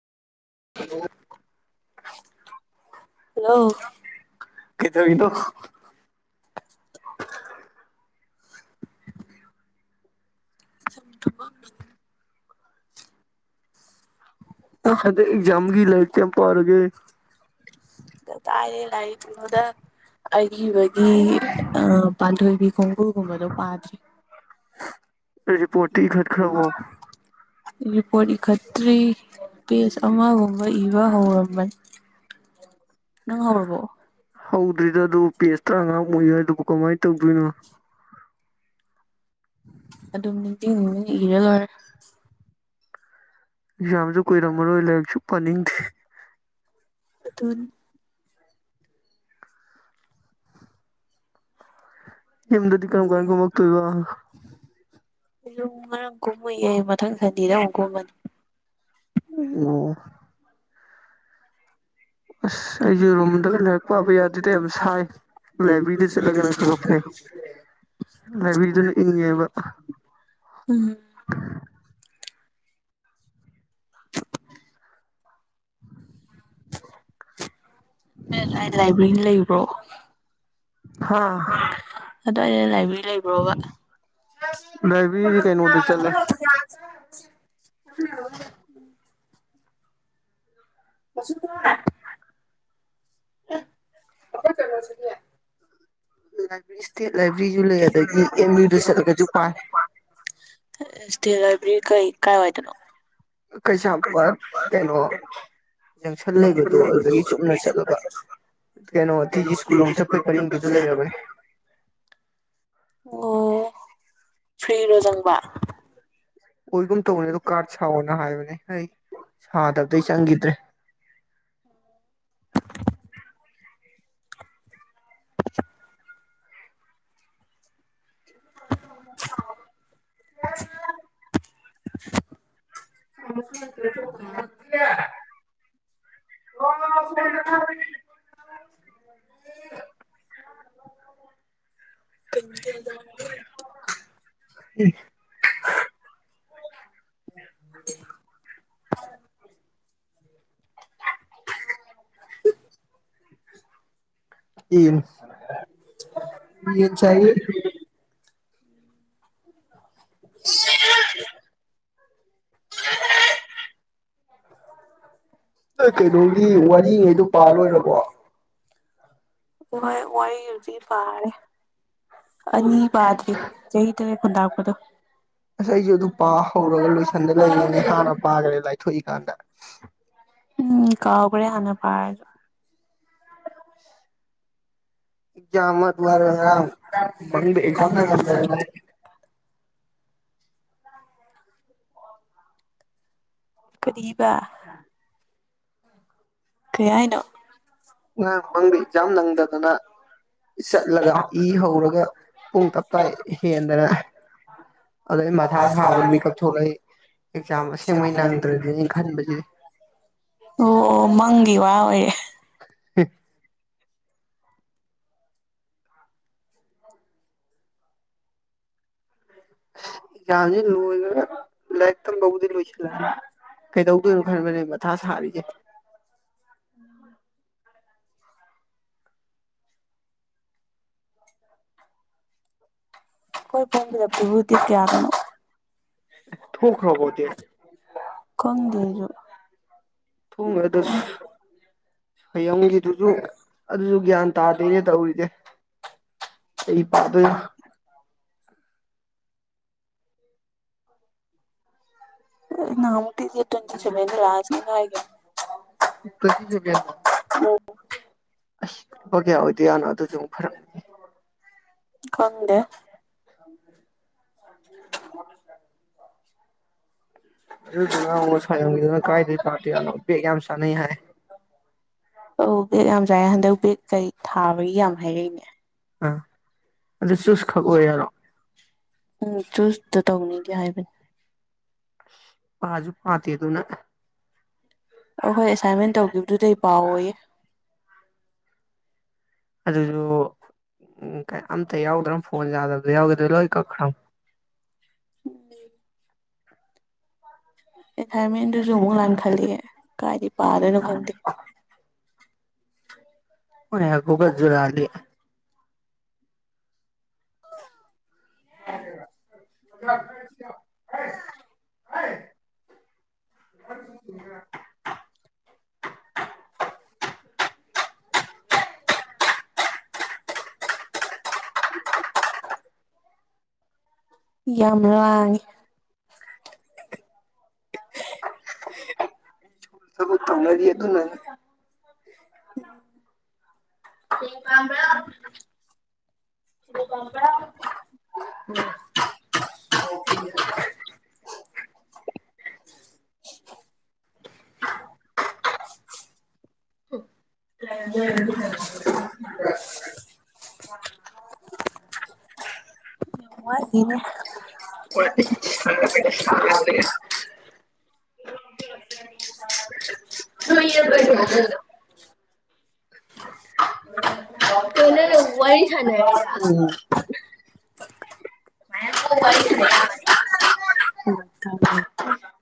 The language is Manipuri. ꯍꯜꯂꯣ ꯀꯩꯗꯧꯔꯤꯅꯣ ꯁꯨꯝ ꯇꯨꯝꯃꯝꯕꯅꯤ ꯅꯪ ꯍꯟꯗꯛ ꯑꯦꯖꯝꯒꯤ ꯂꯥꯏꯔꯤꯛ ꯀꯌꯥꯝ ꯄꯥꯔ ꯎꯝ ꯇꯥꯏꯔꯦ ꯂꯥꯏꯔꯤꯛ ꯉꯣꯗ ꯑꯔꯤꯕꯒꯤ ꯄꯥꯟꯊꯣꯏꯕꯤ ꯈꯣꯡꯒꯨꯜꯒꯨꯝꯕꯗꯣ ꯄꯥꯗ꯭ꯔꯤ ꯔꯤꯄꯣꯠꯇꯤ ꯏꯈꯠꯈꯕꯔꯣ ꯔꯤꯄꯣꯠ ꯏꯈꯠꯇ꯭ꯔꯤ ꯄꯦꯖ ꯑꯃꯒꯨꯝꯕ ꯏꯕ ꯍꯧꯔꯝꯕꯅꯤ ꯅꯪ ꯍꯣꯔꯕꯣ ꯄꯦꯁ [inaudible] ꯎꯏ ꯍꯥꯏꯗꯨꯕꯨ ꯀꯃꯥꯏ ꯇꯧꯗꯣꯏꯅꯣ [inaudible] ꯑꯗꯨꯝ ꯅꯤꯡꯁꯤꯡ ꯅꯤꯡꯁꯤꯡ ꯏꯔ ꯂꯣꯏꯔꯦ ꯌꯥꯝꯁꯨ ꯀꯨꯏꯔꯝꯃꯔꯣꯏ ꯂꯥꯏꯔꯤꯛꯁꯨ ꯄꯅꯤꯡꯗꯦ ꯑꯗꯨ ꯏ ꯅ ꯀꯔ ꯀꯔ ꯀꯃꯛꯇ ꯏꯕ ꯨ ꯉꯥꯡ ꯀꯨꯝꯃꯨꯌꯦ ꯃꯊꯪ ꯁꯟꯗꯤꯗ ꯑꯃꯨꯛ ꯀꯨꯝꯃꯅꯤ ꯑꯣ ꯑꯁ ꯑꯩꯁꯨ ꯔꯨꯝꯗꯒ ꯂꯥꯏꯔꯤꯛ ꯄꯥꯕ ꯌꯥꯗꯦꯗ ꯌꯥꯝ ꯁꯥꯏ ꯂꯥꯏꯕ꯭ꯔꯦꯔꯤꯗ ꯆꯠꯂꯒꯅ ꯈꯔ ꯐꯩ ꯂꯥꯏꯕ꯭ꯔꯦꯔꯤꯗꯨꯅ ꯏꯪꯉꯦꯕ ꯎꯝ ꯂꯥꯏꯕ꯭ꯔꯦꯔꯤ ꯂꯩꯕ꯭ꯔꯣ ꯍꯥꯥ ꯑꯗꯨ ꯂꯥꯏꯕ ꯔꯥꯏꯕꯤꯗꯤ ꯀꯩꯅꯣꯗ ꯆꯠꯂꯦ ꯎ ꯎ ꯎꯝ ꯁꯗ ꯑꯄ ꯀꯔꯦ ꯁꯔꯤꯦ ꯏꯁꯇꯦꯠ ꯂꯥꯏꯕ꯭ꯔꯦꯔꯤꯁꯨ ꯂꯩ ꯑꯗꯨꯗꯒꯤ ꯑꯦꯝ ꯌꯨꯗ ꯆꯠꯂꯒꯁꯨ ꯄꯥꯂ ꯂꯥꯏꯕ꯭ꯔꯦꯔꯤ ꯀꯩ ꯀꯥꯏꯋꯥꯏꯗꯅꯣ ꯀꯩꯁ ꯀꯩꯁꯥꯝꯄꯥꯠ ꯀꯩꯅꯣ ꯖꯪꯁꯟ ꯂꯩꯕꯗꯣ ꯑꯗꯨꯗꯒꯤ ꯆꯨꯝꯅ ꯆꯠꯂꯒ ꯀꯩꯅꯣ ꯇꯤꯒꯤ ꯁ꯭ꯀꯨꯜ ꯂꯣꯝ ꯆꯠꯄꯩ ꯄꯔꯤꯡꯗꯨꯁꯨ ꯂꯩꯔꯕꯅꯦ ꯑꯣ ꯐ꯭ꯔꯤꯔꯣꯖꯪꯕ ꯑꯣꯏꯒꯨꯝ ꯇꯧꯕꯅꯦ ꯑꯗꯨ ꯀꯥꯔꯠ ꯁꯥꯎꯑꯣꯅ ꯍꯥꯏꯕꯅꯦ ꯑꯩ ꯁꯥꯗꯕꯗ ꯆꯪꯈꯤꯗ꯭ꯔꯦ [unintelligible] ꯑ [unintelligible] [unintelligible] [unintelligible] ꯎꯝ [unintelligible] ꯏ ꯆꯌꯦ [unintelligible] [unintelligible] ꯀꯩꯅꯣꯒꯤ ꯋꯥꯔꯤꯉꯩꯗꯣ ꯄꯥꯜꯂꯣꯏꯔꯕꯣ ꯑꯗꯨ ꯍꯣꯏ ꯋꯥꯏ ꯍꯧꯗꯤ ꯚꯥꯏ ꯑꯅꯤ ꯄꯗꯔꯤ ꯆꯍꯤꯗ ꯎꯗꯥꯛꯄꯗ ꯑꯁ ꯑꯩꯁꯨ ꯑꯗꯨ ꯄꯥ ꯍꯧꯔꯒ ꯂꯣꯏꯁꯟꯗ ꯂꯩꯔꯤꯅꯦ ꯍꯥꯟꯅ ꯄꯥꯈꯔꯦ ꯂꯥꯏꯊꯣꯛꯏꯀꯥꯟꯗ ꯎꯝ ꯀꯕꯨꯔ ꯍꯅꯄꯥ ꯍꯥꯅꯥ ꯄꯥꯒꯔꯁꯨ [inaudible] ꯃꯪꯗ ꯑꯦꯛꯖꯥꯝ [inaudible] ꯀꯔꯤꯕ ꯀꯩ ꯍꯥꯏꯅꯣ ꯑ ꯃꯪꯕꯤ ꯌꯥꯝ ꯅꯪꯗꯗꯅ ꯆꯠꯂꯒ ꯏ ꯍꯧꯔꯒ ꯄꯨꯡ ꯇꯞꯇ ꯍꯦꯟꯗꯅ ꯑꯗꯨꯗ ꯑꯩ ꯃꯊꯥ ꯁꯥꯕꯗꯅ ꯃꯀꯞ ꯊꯣꯛꯂꯛꯏ ꯑꯦꯛꯖꯥꯝ ꯑꯁꯦꯡꯕꯩ ꯅꯪꯗ꯭ꯔꯗꯤꯅꯦ ꯈꯟꯕꯁꯤꯗꯤ ꯑꯣ ꯑꯣ ꯃꯪꯒꯤ ꯋꯥ ꯑꯣꯏꯔꯦ ꯎꯝ ꯀꯖꯤ ꯂꯣꯏꯣꯏꯒ ꯂꯩ ꯈꯤꯛꯇꯪ ꯇꯧꯕꯗꯤ ꯂꯣꯏꯁꯤꯜꯂꯛꯑꯅꯤ ꯀꯩꯗꯧꯗꯣꯏꯅꯣ ꯈꯟꯕꯅꯦ ꯃꯊꯥ ꯁꯥꯔꯤꯁꯦ ꯀꯣꯏ ꯐꯗꯕꯤꯚꯨꯗꯤ ꯀꯌꯥꯔꯅꯣ ꯊꯣꯛꯈ꯭ꯔꯕꯣꯗꯤ ꯀꯗꯁꯨ ꯊꯨꯡ ꯉꯗꯁꯨ ꯍꯌꯦꯌꯡꯒꯤꯗꯨꯁꯨ ꯑꯗꯨꯁꯨ ꯒ꯭ꯌꯥꯟ ꯇꯥꯗꯣꯏꯅꯦ ꯇꯧꯔꯤꯁꯦ ꯑꯩ ꯄꯥꯗꯣꯏꯅ ꯅ ꯑꯁ ꯂꯄ ꯀꯌꯥ ꯑꯣꯏꯗꯤꯌꯥꯅꯣ ꯑꯗꯨꯁꯨ ꯑꯃꯨꯛ ꯐꯔꯛ ꯈꯪꯗꯦ [inaudible] [inaudible] ꯑꯗꯨꯗꯨꯅ ꯑꯃꯨꯛ ꯁ꯭ꯋꯥꯌꯝꯒꯤꯗꯨꯅ ꯀꯥꯏꯗꯩ ꯄꯥꯗꯣꯏꯖꯥꯠꯅꯣ ꯕꯦꯛ ꯌꯥꯝ ꯆꯥꯅꯩ ꯍꯥꯏ ꯑꯧ ꯕꯦꯒ ꯌꯥꯝ ꯆꯥꯏꯦ ꯍꯟꯗꯛ ꯕꯦꯒ ꯀꯩ ꯊꯥꯕꯒꯤ ꯌꯥꯝ ꯍꯥꯏꯔꯛꯏꯅꯦ ꯑꯥ ꯑꯗꯨ ꯆꯨꯁ ꯈꯛꯑꯣ ꯌꯥꯔꯣ ꯎꯝ ꯆꯨꯁꯇ ꯇꯧꯅꯤꯗꯤ ꯍꯥꯏꯕꯅꯤ ꯥꯖꯨ ꯄꯥꯇ ꯇꯨ ꯅ ꯑꯍꯣꯏ ꯑꯦꯁꯥꯏꯟꯃꯦꯟ ꯇꯧꯈꯤꯕꯗꯨꯗꯤ ꯑꯩ ꯄꯥꯎ ꯑꯣꯏꯌꯦ ꯑꯗꯨꯁꯨ ꯎ ꯑꯝꯇ ꯌꯥꯎꯗ꯭ꯔ ꯐꯣꯟ ꯌꯥꯗꯕꯗ ꯌꯥꯎꯒꯦ ꯑꯗꯨ ꯂꯣꯏ ꯀꯛꯈ꯭ꯔꯣ ꯎꯝ ꯑꯦꯊꯥꯏꯔꯃꯦꯟꯗꯨꯁꯨ ꯑꯃꯨꯛ ꯂꯥꯟ ꯈꯜꯂꯤ ꯀꯥꯏꯗꯤ ꯄꯥꯗꯣꯏꯅꯣ ꯈꯪꯗꯦ ꯍ ꯈꯨꯕꯖꯔꯜꯂꯤ [inaudible] [inaudible] [inaudible] [unintelligible] ꯌꯥꯝ ꯂꯥꯡꯉꯦ ꯊꯕꯜ ꯇꯧꯅꯔꯥ ꯑꯗꯨꯅꯅꯦ [unintelligible] ꯄꯥꯝꯕ [unintelligible] ꯎꯝ [unintelligible] [unintelligible] [unintelligible] [unintelligible] ꯀꯣꯏꯅ ꯋꯔꯤ ꯁꯥꯟꯅꯔꯤꯔꯣ